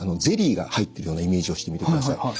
ゼリーが入ってるようなイメージをしてみてください。